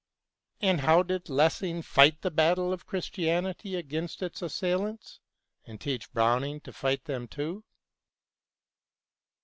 And now how did Lessing fight the battle of Christianity against its assailants, and teach Browning to fight them too